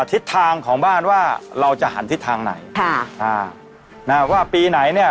ทิศทางของบ้านว่าเราจะหันทิศทางไหนค่ะอ่านะฮะว่าปีไหนเนี่ย